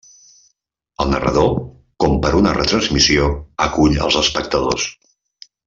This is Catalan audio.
El narrador, com per a una retransmissió, acull els espectadors.